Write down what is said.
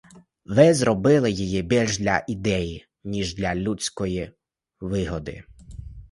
Ви зробили її більш для ідеї, ніж для людської вигоди.